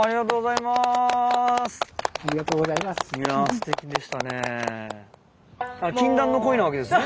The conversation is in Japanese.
いやすてきでしたね。